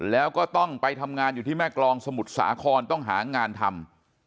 แล้วก็ต้องไปทำงานอยู่ที่แม่กรองสมุทรสาครต้องหางานทำ